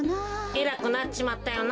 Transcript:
えらくなっちまったよな。